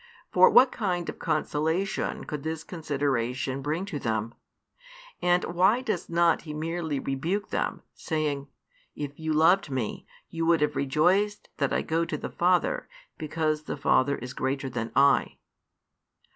For what kind of consolation could this consideration bring to them? And why does not He merely rebuke them, saying, "If you loved Me, you would rejoice that I go to the Father, because the Father is greater than I?"